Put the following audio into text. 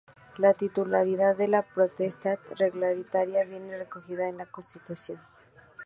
La titularidad de la potestad reglamentaria viene recogida en la Constitución.